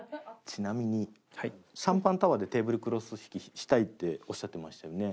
ちなみにシャンパンタワーでテーブルクロス引きしたいっておっしゃってましたよね？